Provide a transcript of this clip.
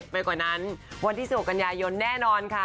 ไปกว่านั้นวันที่๑๖กันยายนแน่นอนค่ะ